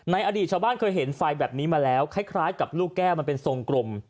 อดีตชาวบ้านเคยเห็นไฟแบบนี้มาแล้วคล้ายกับลูกแก้วมันเป็นทรงกลม